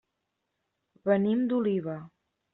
Venim d'Oliva.